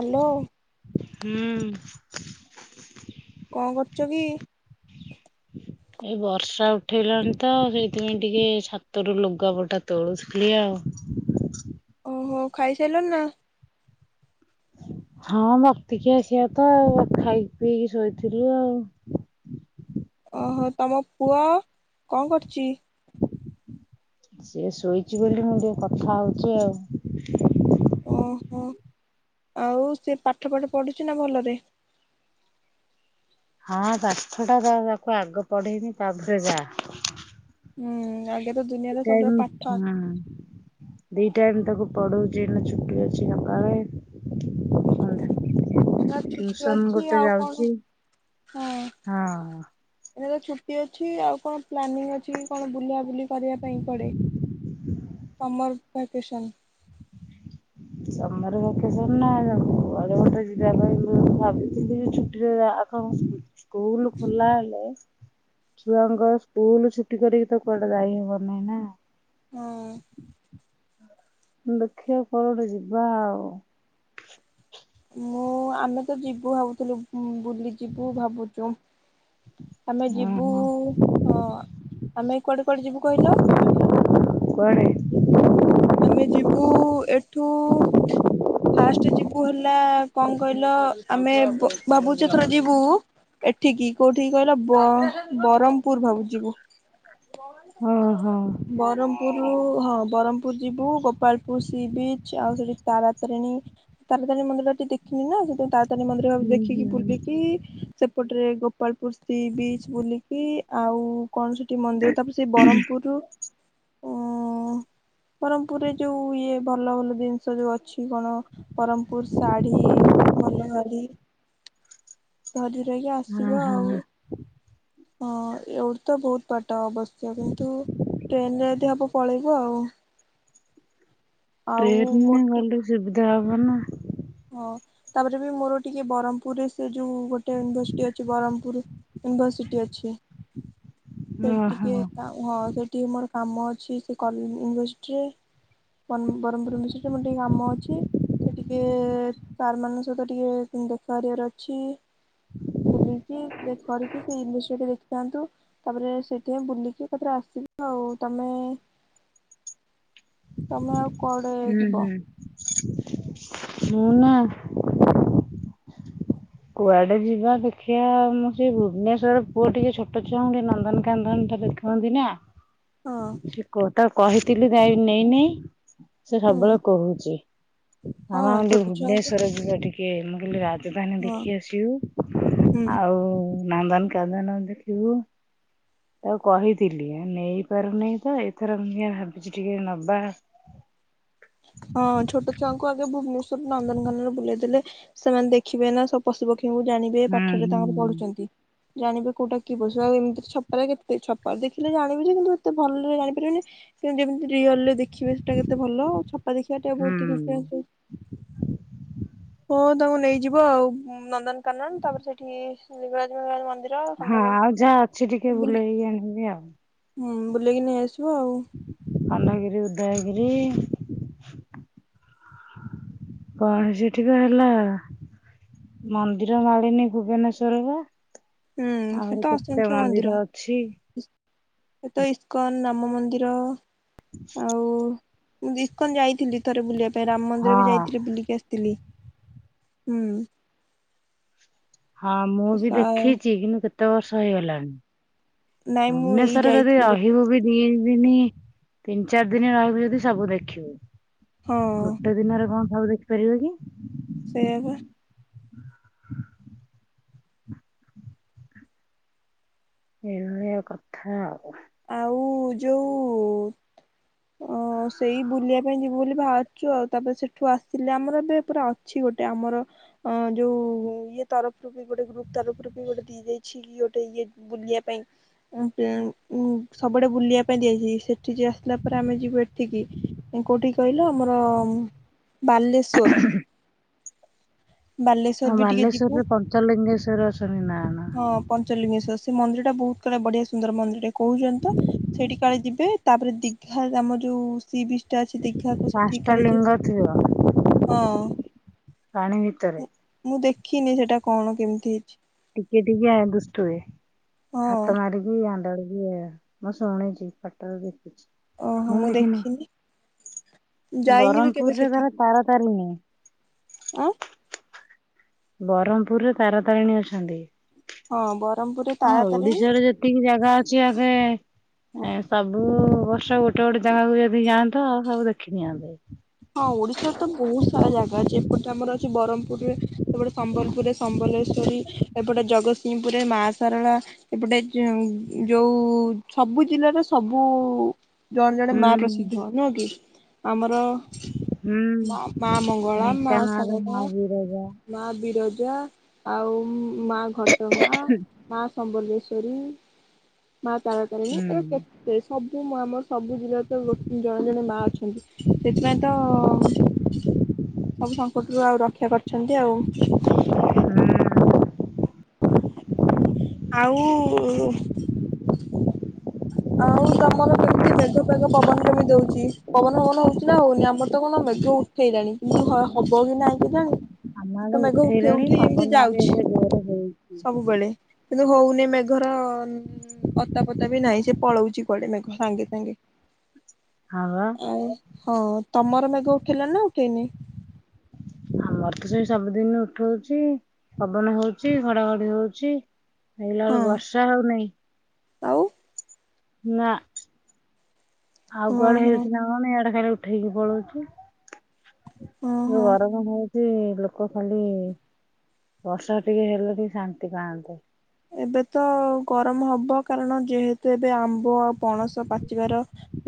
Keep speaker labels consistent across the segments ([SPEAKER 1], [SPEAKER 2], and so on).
[SPEAKER 1] Hello.
[SPEAKER 2] ହୁଁ।
[SPEAKER 1] କଣ କରୁଛ କି?
[SPEAKER 2] ଏଇ ବର୍ଷା ଉଠେଇଲାଣି ତ ସେଇଥିପାଇଁ ଟିକେ ଛାତରୁ ଲୁଗାପଟା ତୋଳୁଥିଲି ଆଉ।
[SPEAKER 1] ଓ ହୋ ଖାଇସାରିଲଣି ନା।
[SPEAKER 2] ହଁ ବତିକି ଆସିବା ତ ଖାଇ ପିଇକି ଶୋଇଥିଲୁ ଆଉ।
[SPEAKER 1] ଓ ହୋ ତମ ପୁଅ କଣ କରୁଛି?
[SPEAKER 2] ସିଏ ଶୋଇଛି ବୋଲି ମୁଁ ଟିକେ କଥା ହଉଛି ଆଉ।
[SPEAKER 1] ଓ ହୋ ଆଉ ସିଏ ପାଠ ଫାଠ ପଢୁଛି ନା ଭଲରେ।
[SPEAKER 2] ହଁ ପାଠ ଟା ତାକୁ ଆଗ ପଢେଇବି ତାପରେ ଯା
[SPEAKER 1] ହୁଁ ଆଗେ ତ ଦୁନିଆରେ ସବୁଠାରୁ
[SPEAKER 2] କାଇଁ
[SPEAKER 1] ପାଠ
[SPEAKER 2] ହଁ। ଦି ଟାଇମ୍ ତାକୁ ପଢଉଚି ଛୁଟି ଅଛି ସକାଳେ
[SPEAKER 1] ହଁ
[SPEAKER 2] ସନ୍ଧ୍ୟା।
[SPEAKER 1] ସେ ଛୁଟି
[SPEAKER 2] ଟିଉସନ
[SPEAKER 1] ଅଛି
[SPEAKER 2] ଗୋଟେ
[SPEAKER 1] ଆଉ କଣ
[SPEAKER 2] ଯାଉଛି
[SPEAKER 1] ହଁ।
[SPEAKER 2] ହଁ।
[SPEAKER 1] ଏ ତ ଛୁଟି ଅଛି ଆଉ କଣ ପ୍ଲାନିଂ ଅଛି କଣ ବୁଲିଆ ବୁଲି କରିବା ପାଇଁ କୁଆଡେ ତମର । ଭ୍ୟାକେସନ୍।
[SPEAKER 2] ସମର ଭ୍ୟାକେସନ ନା [inaudible] ଯିବା ପାଇଁ ମୁଁ ଭାବିଥିଲି ଯେ ଛୁଟିରେ ଆଗ। ସ୍କୁଲ ଖୋଲା ହେଲେ । ଛୁଆଙ୍କର ସ୍କୁଲ ଛୁଟି କରିକି ତ କୁଆଡେ ଯାଇ ହବନି ନା।
[SPEAKER 1] ନାଇଁ।
[SPEAKER 2] ଦେଖିବା କୁଆଡେ ଗୋଟେ ଯିବା ଆଉ।
[SPEAKER 1] ମୁଁ ଆମେ ତ ଯିବୁ ଭାବୁଥିଲୁ। ବୁଲିଯିବୁ ଭାବୁଛୁ। ଆମେ ଯିବୁ
[SPEAKER 2] ଓହୋ
[SPEAKER 1] ହଁ ଆମେ କୁଆଡେ କୁଆଡେ ଯିବୁ କହିଲ?
[SPEAKER 2] କୁଆଡେ।
[SPEAKER 1] ଆମେ ଯିବୁ ଏଠୁ ଫାଷ୍ଟ ଯିବୁ ହେଲା କଣ କହିଲ ଆମେ ଭାବୁଚି ଏଥର ଯିବୁ ଏଠିକି କୋଉଠିିକି କହିଲ ବରହମପୁର ଭାବୁଚି ଯିବୁ।
[SPEAKER 2] ଓହୋ
[SPEAKER 1] ବରମପୁରରୁ ହଁ ବରମ ଯିବୁ ଗୋପାଳପୁର। ସି ବିଚ ଆଉ ସେଠି ତାରାତାରିଣୀ ତାରାତାରିଣୀ ମନ୍ଦିରଟି ଦେଖିନି ନା ସେଠି ତ। ତାନେ ମନ୍ଦିର ଭା
[SPEAKER 2] ହୁଁ
[SPEAKER 1] ଦେଖିକି
[SPEAKER 2] ହୁଁ।
[SPEAKER 1] ବୁଲିକି ସେପଟ। ରେ ଗୋପାଳପୁର ସ୍୍ରୀ ବିଚ ବୁଲିକି ଆଉ। କଣ ସେଠି ମନ୍ଦିର ତାପରେ ସେଇ ବ୍ରହ୍ମପୁରରୁ। ବ୍ରହ୍ମପୁରରେ ଯୋଉ ଇଏ ଭଲ ଭଲ ଜିନିଷ ଯୋଉ ଅଛି କଣ ବ୍ରହ୍ମପୁର ଶାଢୀ ଭଲ ଶାଢୀ ଧରି ଧୁରାକି
[SPEAKER 2] ହଁ
[SPEAKER 1] ଆସିବ
[SPEAKER 2] ହଁ
[SPEAKER 1] ଆଉ। ହଁ ଏଉଠି ତ ବହୁତ ବାଟ ଅବଶ୍ୟ କିନ୍ତୁ ଟ୍ରେନ ରେ ଯଦି ହବ ପଳେଇବୁ ଆଉ। ଆଉ
[SPEAKER 2] ଟ୍ରେନ୍ ରେ
[SPEAKER 1] ମୋର
[SPEAKER 2] ଗଲେ
[SPEAKER 1] ଟିକେ
[SPEAKER 2] ଶୁବ ଯା ହବନା
[SPEAKER 1] ହଁ ତାପରେ ବି ମୋର ଟିକେ ବ୍ରହ୍ମପୁରରେ ସେ ଯୋଉ ଗୋଟେ ୟୁନିଭରସିଟି ଅଛି ବ୍ରହ୍ମୁ ପୁର ୟୁନିଭର୍ସିଟି ଅଛି। ସେ
[SPEAKER 2] ଓହୋ
[SPEAKER 1] ଟିକେ ହଁ ସେ ଟିକିଏ ମୋର କାମ ଅଛି ସେ କଲେ ୟୁନିଭରସିଟିରେ ବ୍ରହ୍ମପୁର ୟୁନିଭର୍ସିଟିରେ ମୋର ଟିକି କାମ ଅଛି ସେ ଟିକିେ ସାର୍ମାନଙ୍କ ସହିତ ଟିକିେ ଦେଖା କରିବାର ଅଛି। ବୁଲିକିି ଦେଖା କରିକି ସେ ୟୁନିଭର୍ସିଟି ଟିକେ ଦେଖିଥାନ୍ତୁ ତାପରେ ସେଇଥିାଇଁ ବୁଲିକି ଏକଥରେ ଆସିବ ଆଉ ତମେ ତମେ କୁଆଡ଼େ
[SPEAKER 2] ହୁଁ
[SPEAKER 1] ଯିବ?
[SPEAKER 2] ହୁଁ। ମୁଁ ନା? କୁଆଡେ ଯିବା ଦେଖିବା ମୁମ ସେ ଭୁବନେଶ୍ଵର ପୁଅ ଟିକେ ଛୋଟ ଛୁଆଙ୍କୁ ଟିକେ ନନ୍ଦନକାନନ୍ଦନ ଟା ଦେଖନ୍ତି ନା
[SPEAKER 1] ହଁ
[SPEAKER 2] ସେ କ ତ କହିଥିଲି ଯାଇ ନେଇନାଇ ସେ
[SPEAKER 1] ହୁଁ
[SPEAKER 2] ସବୁବେଳେ କହୁଛି।
[SPEAKER 1] ହଁ
[SPEAKER 2] ଆମ ଆମେ
[SPEAKER 1] ଛୋଟ ଛୁଆଙ୍କୁ
[SPEAKER 2] ଭୁବନେଶ୍ଵର ଯିବା ଟିକେ। ମୁ କହିଲି ରାଜଧାନୀ
[SPEAKER 1] ହଁ
[SPEAKER 2] ଦେଖି ଆସିବୁ
[SPEAKER 1] ହୁଁ।
[SPEAKER 2] ଆଉ ନନ୍ଦନ କାନ୍ଦନ ଦେଖିବୁ ଆଉ କହିଥିଲି ଆ ନେଇପାରୁନି ତ ଏଥର ମୁ ଭାବିଛି ଟିକେ ନବା
[SPEAKER 1] ହଁ ଛୋଟ ଛୁଆଙ୍କୁ ଆଗେ ଭୁବନେଶ୍ଵର ନନ୍ଦନକାନ ରେ ବୁଲେଇ ଦେଲେ ସେମାନେ ଦେଖିବେ ନା ସବ ପଶୁ ପକ୍ଷୀ ଉ ଜାଣିବେ
[SPEAKER 2] ହୁଁ
[SPEAKER 1] ପାଠରେ
[SPEAKER 2] ହୁଁ
[SPEAKER 1] ତାଙ୍କର ପଢୁଛନ୍ତି। ଜାଣିବେ କଉଟା କି ପଶୁ ଆଉ ଏମିତି ଛପା କେତେ ଛପା ଦେଖିଲେ ଜାଣିବି ଯେ କିନ୍ତୁ ଏତେ ଭଲରେ ଜାଣିପାରିବନି କିନ୍ତୁ ଯେମିତି ରିଅଲ ରେ ଦେଖିବେ। ସେଇଟା କେତେ ଭଲ ଛପା ଦେଖିବାଟା ବହୁତ୍
[SPEAKER 2] ହୁଁ।
[SPEAKER 1] ଡିଫରେନ୍ସ ରହୁଛି। ହଁ ତାଙ୍କୁ ନେଇଯିବ ଆଉ ନନ୍ଦନକାନନ ତାପରେ ସେଠି ଶିବରାଜ ମ ମନ୍ଦିର
[SPEAKER 2] ହଁ
[SPEAKER 1] ଖଣ୍ଡଗିରି
[SPEAKER 2] ଆଉ ଯାହା ଅଛି ଟିକେ
[SPEAKER 1] ବୁଲି
[SPEAKER 2] ବୁଲେଇ କି ଆଣିବି ଆଉ।
[SPEAKER 1] ହୁଁ ବୁଲେଇକି ନେଇ ଆସିବ ଆଉ।
[SPEAKER 2] ଖଣ୍ଡଗିରି ଉଦୟଗିରି କଣ ସେଠିକ ହେଲା ମନ୍ଦିର ମାଳିନି ଭୁବନେଶ୍ଵର ବା
[SPEAKER 1] ହୁଁ ସେ
[SPEAKER 2] ଆହୁର କେତେ ମନ୍ଦିର ଅଛି।
[SPEAKER 1] ଏଇତ ଇସ୍କନ ରାମ ମନ୍ଦିର। ଆଉ ଇସ୍କନ ଯାଇଥିଲି। ରେ ବୁଲିବା ରାମ ମନ୍ଦିର ବି
[SPEAKER 2] ହଁ।
[SPEAKER 1] ଯାଇଥିଲି ବୁଲିକି ଆସିଥିଲି। ହୁଁ
[SPEAKER 2] ହଁ ମୁଁ ବି
[SPEAKER 1] ସା
[SPEAKER 2] ଦେଖିଛି କିନ୍ତୁ କେତେ? କେତେ ବର୍ଷ ହେଇଗଲାଣି?
[SPEAKER 1] ନାଇଁ ମୁଁ ଏଇ
[SPEAKER 2] ଭୁବନେଶ୍ଵରରେ ଯଦି
[SPEAKER 1] ଯାଇଥିଲି ଗୋଟେ
[SPEAKER 2] ରହିବୁ ବି ଦି ଦିନ ତିନି ଚାରି ଦିନ ରହିବି ଯଦି ସବୁ ଦେଖିବୁ।
[SPEAKER 1] ହଁ
[SPEAKER 2] ଗୋଟେ ଦିନରେ କଣ? ହଉ ଦେଖ ପରି ହାଗ
[SPEAKER 1] ସେବ
[SPEAKER 2] ହ ଏଇଭଳିଆ କଥା ଆଉ।
[SPEAKER 1] ଆଉ ଯୋଉ ଅ ସେଇ ବୁଲିବା ପାଇଁ ଯିବୁ ବୋଲି ବାାବିଛୁ ଆଉ ତାପରେ ସେଠୁ ଆସିଲେ ଆମର ଏବେ ପୁରା ଅଛି ଗୋଟେ ଆମର ଅ ଯୋଉ ଇଏ ତରଫରୁ ବି ଗୋଟେ ଗ୍ରୁପ ତରଫରୁ ବି ଗୋଟେ ଦି ଯାଇଛି କି ଗୋଟେ ଇଏ ବୁଲିବା ପାଇଁ। ସବୁଆଡ଼େ ବୁଲିବା ପାଇଁ ଦିଯଛି ସେଠି ଯ ଆସିଲା ପରେ ଆମେ ଯିବୁ ଏଠିକି କଉଠି କହିଲ ଆମର ବାଲେଶ୍ଵର ବାଲେଶ୍ଵର
[SPEAKER 2] ହଁ
[SPEAKER 1] ବି ଟିକେ ଯିବୁ
[SPEAKER 2] ମଲେଶ୍ଵରରେ ପଞ୍ଚ ଲଙ୍ଗେଶ ସେ ରଶନି ନା କଣ?
[SPEAKER 1] ହଁ ପଞ୍ଚଲିଙ୍ଗେଶ୍ଵର ସେ ମନ୍ଦିର ଟା ବହୁତ କଳେ ବଢିଆ ସୁନ୍ଦର ମନ୍ଦିର ଟେ କହୁଛନ୍ତି ତ ସେଇଠି କାଳେ ଯିବେ ତାପରେ ଦିଘା ଆମ ଯୋଉ ଶ ବି ଅ ଦୀଖାକୁ ସେଠିକ
[SPEAKER 2] ପାଞ୍ଚଟା
[SPEAKER 1] କରିଛି
[SPEAKER 2] ଲିଙ୍ଗ ଥିବ
[SPEAKER 1] ହଁ।
[SPEAKER 2] ପାଣି ଭିତରେ।
[SPEAKER 1] ମୁଁ ଦେଖିନି ସେଟା କଣ କେମିତି ହେଇଛି?
[SPEAKER 2] ଟିକେ ଟିକେ ଆ ଦୁଷ୍ଟ ହୁଏ
[SPEAKER 1] ହଁ
[SPEAKER 2] ହାତ ମାରିକି ଆ ପଟଳ ବି ମଁ ସୋହଣ ଜ ପଟଳ ଦେଇ ମୁଁ ଦେଖିନି
[SPEAKER 1] ଯାଇନି ବି କେବେ
[SPEAKER 2] ବ୍ରହମପୁରରେ
[SPEAKER 1] ସେଠି
[SPEAKER 2] ତାର ତାର ତାରି ନୁହେଁ।
[SPEAKER 1] ଆଁ
[SPEAKER 2] ବ୍ରହ୍ମପୁରରେ ତାର ତାରିଣୀ ଅଛନ୍ତି।
[SPEAKER 1] ହଁ ବ୍ରହ୍ମପୁରରେ
[SPEAKER 2] ହଁ
[SPEAKER 1] ତାରା ତାରିଣୀ
[SPEAKER 2] ଓଡିଶାରେ ଯେତିକି ଜାଗା ଅଛି ଆଗେ ଏ ସବୁ ବର୍ଷ ଗୋଟେ ଗୋଟେ ଜାଗାକୁ ଯଦି ଯାଆନ୍ତ ସବୁ ଦେଖିନ ନିଅନ୍ତେ।
[SPEAKER 1] ହଁ ଓଡିଶାରେ ତ ବହୁତ ସାରା ଜାଗା ଅଛି ଏପଟେ ଆମର ଅଛି ବ୍ରହ୍ମପୁରରେ ଏପଟେ ସମ୍ବଲପୁରରେ ସମ୍ବଲେଶ୍ଵରୀ ଏପଟେ ଜଗତସିଂହପୁରରେ ମାହାସାରଳା ଏପଟେ ଯୋଉ ସବୁ ଜିଲ୍ଲାରେ ସବୁ ଜଣେ ଜଣେ ମା
[SPEAKER 2] ହୁଁ
[SPEAKER 1] ପ୍ରସିଦ୍ଧ ନୁହଁ କି? ଆମର
[SPEAKER 2] ହୁଁ
[SPEAKER 1] ମା ମଙ୍ଗଳା ମା ଶ
[SPEAKER 2] ଢେଙ୍କାନାଳରେ ମା ବିରଜା
[SPEAKER 1] ମା ବିରୋଧ ଆଉ ମା ଘଟଗା ମା ସମ୍ବଲେଶ୍ବରୀ ମାଆ ତାରା ତାରିଣୀ
[SPEAKER 2] ହୁଁ
[SPEAKER 1] ଏ କେତେ ସବ ବୁ ଆମ ସବୁ ଜିଲ୍ଲାରେ ତ ଗୋ ଜଣେ ଜଣେ ମାଆ ଅଛନ୍ତି ସେଥିପାଇଁ ତ ସବୁ ସଙ୍କଟରୁ ଆଉ ରକ୍ଷା କରିଛନ୍ତି ଆଉ।
[SPEAKER 2] ହୁଁ
[SPEAKER 1] ଆଉ ଉ ଆଉ ତମର କେମିତି ମେଘ ଫେଘ ପବନ କେମିତି ଦଉଛି ପବନ ପବନ ହଉଛି ନା ହଉନି ଆମର ତ କଣ ମେଘ ଉଠେଇଲାଣି କିନ୍ତୁ ହ ହବ କି ନାହିଁ କେଜାଣି।
[SPEAKER 2] ଆମ ଆଡେ
[SPEAKER 1] ତ ମେଘ ଉଠେଇ
[SPEAKER 2] ଉଠେଇଲାଣି
[SPEAKER 1] ଉଠେଇ ଏମତି
[SPEAKER 2] ପବନ ବି
[SPEAKER 1] ଯାଉଛି
[SPEAKER 2] ଏବେ ଜୋରେ ହଉଛି।
[SPEAKER 1] ସବୁବେଳେ କିନ୍ତୁ ହଉନି ମେଘର ଉଁ ଅତା ପତା ବି ନାହିଁ ସେ ପଳଉଛି କୁଆଡେ ମେଘ ସାଙ୍ଗେ ସାଙ୍ଗେ
[SPEAKER 2] ହଁ ବା
[SPEAKER 1] ଆଉ ହଁ ତମର ମେଘ ଉଠେଇଲାଣି ନା ଉ ତିନି
[SPEAKER 2] ଆମର ତ ସେଇ ସବୁଦିନି ଉଠଉଛି ପବନ ହଉଛି ଘଡଘଡି ହଉଛି ଦେଖିଲା
[SPEAKER 1] ହଁ
[SPEAKER 2] ବେଳୁ ବର୍ଷା ହଉନାହିଁ।
[SPEAKER 1] ଆଉ
[SPEAKER 2] ନା ଆଉ
[SPEAKER 1] ହଁ
[SPEAKER 2] କୁଆଡେ
[SPEAKER 1] ହଁ
[SPEAKER 2] ହେଇଛି ନା କଣ ଇଆଡେ ଖାଲି ଉ ଉଠେଇକି ପଳଉଛି
[SPEAKER 1] ହଁ
[SPEAKER 2] ଯୋଉ
[SPEAKER 1] ହଁ
[SPEAKER 2] ଗରମ ହଉ ସେ ଲୋକ ଖାଲି ବର୍ଷା ଟିକେ ହେଲେ ବି ଶାନ୍ତି ପାଆନ୍ତେ
[SPEAKER 1] ଏବେ ତ ଗରମ ହବ କାରଣ ଯେହେତୁ ଏବେ ଆମ୍ବ ଆଉ ପଣସ ପାଚିବାର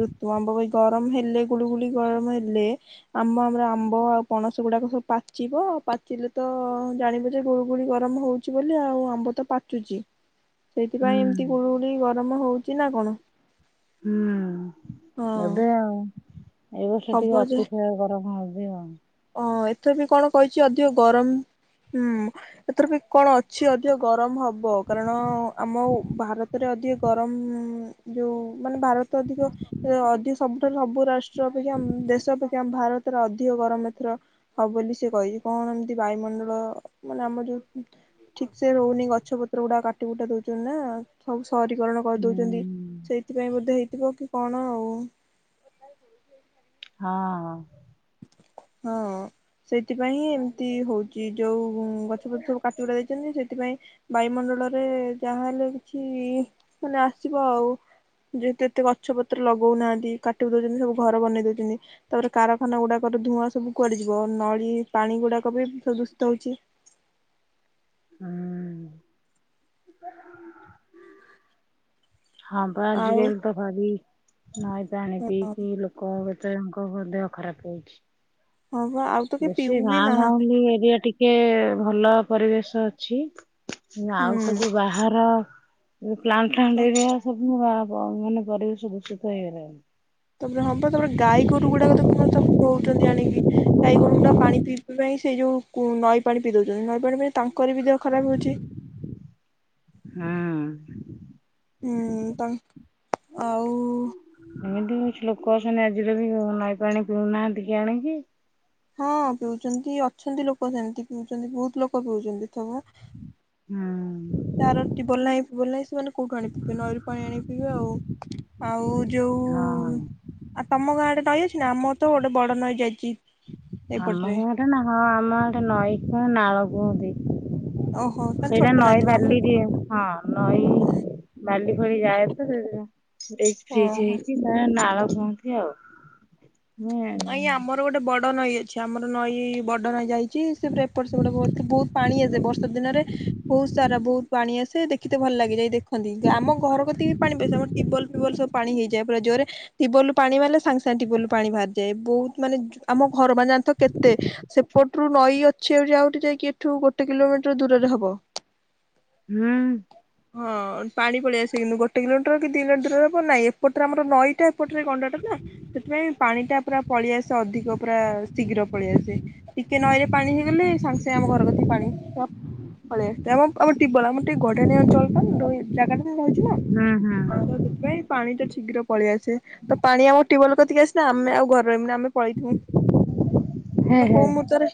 [SPEAKER 1] ଋତୁ ଆମ୍ବ ବି ଗରମ ହେଲେ ଗୁଳୁଗୁଳି ଗରମ ହେଲେ ଆମ୍ବ ଆମର ଆମ୍ବ ଆଉ ପଣସ ଗୁଡାକ ସବୁ ପାଚିବ ପାଚିଲେ ତ ଜାଣିବୁ ଯେ ଗୁଳୁଗୁଳି ଗରମ ହଉଛି ବୋଲି ଆଉ ଆମ୍ବ ତ ପା ଚୁଛିି ସେଥିପାଇଁ ଏମିତି ଗୁଳୁଗୁଳି ଗର ରମ ହଉଛି ନା କଣ?
[SPEAKER 2] ହୁଁ
[SPEAKER 1] ହଁ
[SPEAKER 2] ବୋଧେ ଆଉ ଏଇ ବର୍ଷ ଟିକେ
[SPEAKER 1] ହବ
[SPEAKER 2] ଅତିଶୟ ଗରମ ହଉ ଛି ଆଉ
[SPEAKER 1] ହଁ ଏଥର ବି କଣ କହିଛି ଅଧିକ ଗରମ ହୁଁ ଏଥର ବି କଣ ଅଛି ଅଧିକ ଗରମ ହ ବ କାରଣ ଆମ ଉ ଭାର ତରେ ଅଧିକ ଗରମ ଉ ଯୋଉ ମାନେ ଭାରତ ଅଧିକ ଏ ଅଧିକ ସବୁଠାରୁ ସବୁ ରାଷ୍ଟ ଷ୍ଟ୍ର ଅପେକ୍ଷା ଆମ ଦେଶ ଆମ ଭାରତରେ ଅଧିକ ଗରମ ର ହବ ବୋଲି ସେ କହିଛି କଣ ଏମତି ବାୟୁମଣ୍ଡଳ ମାନେ ଆମର ଯୋଉ ଠିକ ସେ ରହୁନି ଗଛ ପତ୍ର ଗୁଡା କାଟି କୁଟା ଦଉଛନ୍ତି ନା ସବୁ ସହରୀକରଣ କରିଦଉଛନ୍ତି
[SPEAKER 2] ହୁଁ।
[SPEAKER 1] ସେଇଥିପାଇଁ ବୋଧେ ହେଇଥିବ କି କଣ ଆଉ?
[SPEAKER 2] ହଁ
[SPEAKER 1] ହଁ ସେଥିପାଇଁ ଏମିତି ହଉଛି ଯୋଉ ଉ ଗଛ ପତ୍ର ସବୁ କାଟି ଗୁଡା ଦେଇଛନ୍ତି ସେଥିପାଇଁ ବାୟୁମଣ୍ଡଳରେ ଯାହା ହେଲେ କିଛି ମାନେ ଆସିବ ଆଉ ଯେହେତୁ ଏତେ ଗଛ ପତ୍ର ଲଗଉନାହାନ୍ତି କାଟି କୁଡା ଦଉଛନ୍ତି ସବୁ ଘର ବନେଇ ଦଉଛନ୍ତି ତାପରେ କାର ଖାନା ଗୁଡାକର ଧୂଆଁ ସବୁ କୁଆଡେ ଯିବ ନଳି ପାଣି ଗୁଡାକ ବି ପ୍ରଦୂଷିତ ହଉଛି।
[SPEAKER 2] ହୁଁ ହଁ ବା ଆଜି
[SPEAKER 1] ଆଉ
[SPEAKER 2] କାଲି ତ ଭାରି ହଁ ଜାଣିଛି ପିଇ କି ଲୋକ ଦେଇଙ୍କ ଦେହ ଖରାପ ହେଇଛି।
[SPEAKER 1] ହଁ ବା ଆଉ ତ କେହି
[SPEAKER 2] ବେଶୀ
[SPEAKER 1] ପିଉ ବି
[SPEAKER 2] ଗାଁ
[SPEAKER 1] ନାହାନ୍ତି
[SPEAKER 2] ଗାଉଁଲି ଏରିଆ ଟିକେ ଟିକେ ଭଲ ପରିବେଶ ଅଛି। ନା ଆଉ
[SPEAKER 1] ହୁଁ
[SPEAKER 2] ସବୁ ବାହାର ପ୍ଲାଣ୍ଟ ଫାଣ୍ଟ ଏରିଆ ସ ମାନେ ପରିବେଶ ଦୂଷିତ ହେଇଗଲାଣି।
[SPEAKER 1] ତାପରେ ହଁବ ତାପରେ ଗାଈ ଗୋରୁ ଗୁଡାକ ଦେଖୁନମର ବହୁ ଜଣିକି ଟାଇଗୋରୁ ଗୋଟା ପାଣି ପିଇବା ପାଇଁ ସେଇ ଯୋଉ ନଈ ପାଣି ପିଇ ଦଉଛନ୍ତି ନଈ ପାଣି ପ ତାଙ୍କ। କରିବି ଦେହ ଖରାପ ହଉଛି। [inaudible]
[SPEAKER 2] ହୁଁ [inaudible]
[SPEAKER 1] ହୁଁ ତା [inaudible] ଆଉ
[SPEAKER 2] ଏମିତି କି କିଛି ଲୋକ ଆସଛନ୍ତି ଆଜିର ବି ନାଇ ପାଣି କିିଣୁନାହାନ୍ତି କି ଆଣିକି।
[SPEAKER 1] ହଁ ପିଉଛନ୍ତି ଅଛନ୍ତି ଲୋକ ସେମିତି ପିଉଛନ୍ତି ବହୁତ ଲୋକ ପିଉଛନ୍ତିଥମେ
[SPEAKER 2] [inaudible] ହୁଁ।
[SPEAKER 1] ତାର ବୋଲ ବୋଲ ସେମାନେ କୋଉଠୁ ଆଣି ପିିବେ ନଈରୁ ପାଣି ଆଣି ପିବେ ଆଉ ଆଉ
[SPEAKER 2] ହଁ
[SPEAKER 1] ଯୋଉ ଆ ତମ ଗାଁଡେ ନଈ ଅଛି ନା ଆମ । ତ ଗୋଟେ ବଡ ନଈ ଅଛି।
[SPEAKER 2] ଆମ ହ ଏଟେ ନା ହଁ ଆମ ଗଟେ ନଈକ ନାଳ ହୁହନ୍ତିି।
[SPEAKER 1] ଓହୋ ତାହେଲେ
[SPEAKER 2] ସେଇଟା
[SPEAKER 1] ଛୋଟ
[SPEAKER 2] ନଈ
[SPEAKER 1] ନଈଥିବ ଆମର
[SPEAKER 2] ବାଲି ଦିଏ ହଁ ନଈ ବାଲି ଭଳି ଯାଏ ତ ସେ ଫ୍ରିଜ
[SPEAKER 1] ଓହୋ
[SPEAKER 2] ହେଇଛି ନା ନାଳ। କହନ୍ତି ଆଉ। [inaudible]
[SPEAKER 1] ଆ ଆମର ଗୋଟେ ବ ବଡ଼ ନଈ ଅଛି ଆମର ନଈ ବଡ ନଈଁ ଯାଇଛି। ସେ ଏପଟ ସେପଟେ ବହୁତ ପାଣି ଆସେ ବର୍ଷା ଦିନରେ। ବହୁତ ସାରା ବହୁତ ପାଣି ଆସେ ଦେଖୀତେ ଭଲ ଲାଗେ ଯାଇ ଦେଖ କଖନ୍ତି ଆମ ଘର କତି ପାଣି ତିବଲ ଫିବଲ ସବୁ ପାଣି ହେଇଯାଏ ପୁରା ଯୌରେ ତିବଲ ରୁ ପାଣି ବାହାରିଲେ ସାଙ୍ଗେ ସାଙ୍ଗେ ତିବଲ ରୁ ପାଣି ବା ବହୁତ ମାନେ ଆମ ଘର ମ ଯାଣ ତ କେତେ ସେପଟରୁ ନଈ ଅଛିଠି ଆଉଠି ଯାଇକି ଏଠୁ ଗୋଟେ କିଲୋମିଟର ଦୂରରେ ହବ।
[SPEAKER 2] ହୁଁ।
[SPEAKER 1] ହଁ ପାଣି ପଳେଇ ଆସ କିନ୍ତୁ ଗୋଟେ କିଲୋମିଟର କି ଦି କିଲୋମିଟର ହବ ନାଇଁ ଏପଟରେ ଆମର ନଈ ଟା ଏପଟରେ ଗଣ୍ଡାଟା ନା ସେଥିପାଇଁ ପାଣି ଟା ପଳେଇ ଆସେ ଟିକେ ନଈରେ ପାଣି ହେଇଗଲେ ପଳେ। ଆମ ଆମ ଟବଲ ଆମର ଟିକେ ଘଡଣି ଅଞ୍ଚଳ ଟା ଜାଗା ଟା ରହିଛି ନା
[SPEAKER 2] ହୁଁ
[SPEAKER 1] ତ ସେଥିପାଇଁ ପାଣି ଟା ଶୀଘ୍ର ପଳେଇଆସେ ତ ପାଣି ଆମ ଟ୍ୟୁୟଲ କତିକି ଆସେ ଆମେ ଆଉ। ରହିମ ନା ଆମେ ପଳେଇଥିବୁ।
[SPEAKER 2] ହେଁ
[SPEAKER 1] କାରଣ କୋଉ
[SPEAKER 2] ହେଁ
[SPEAKER 1] ମୁହୂର୍ତ୍ତରେ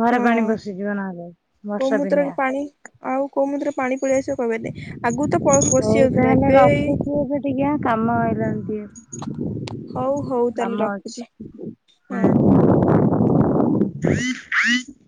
[SPEAKER 2] ଘରେ ପାଣି
[SPEAKER 1] ହଁ
[SPEAKER 2] ବସିଯିବ ନହେଲେ
[SPEAKER 1] କୋଉ
[SPEAKER 2] ବର୍ଷା
[SPEAKER 1] ମୁହୂର୍ତ୍ତରେ
[SPEAKER 2] ଦିନଆ।
[SPEAKER 1] ପାଣି ଆଉ କୋଉମୁଦ୍ର ପଶି
[SPEAKER 2] ହଉ
[SPEAKER 1] ଯାଉଥିଲା
[SPEAKER 2] ତାହେଲେ
[SPEAKER 1] ଏବେ ଏଇ
[SPEAKER 2] ରଖୁଛୁ ଏବେ ଟିକେ କାମ ଆଇଲାଣି
[SPEAKER 1] ହଉ
[SPEAKER 2] ଟିକେ।
[SPEAKER 1] ହଉ ତାହେଲେ
[SPEAKER 2] କାମଅଛି
[SPEAKER 1] ରଖୁଛି
[SPEAKER 2] ହୁଁ
[SPEAKER 1] ହଁ।
[SPEAKER 2] ଉ। [unintelligible]